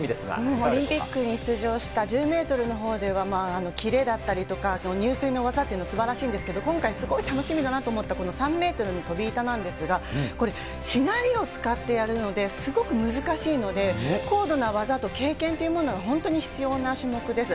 オリンピックに出場した１０メートルのほうでは、キレだったりとか、入水の技っていうの、すばらしいんですけれども、今回すごい楽しみだなと思ったのが、３メートルの飛板なんですが、これ、しなりを使ってやるので、すごく難しいので、高度な技と経験っていうものが本当に必要な種目です。